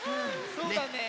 そうだね。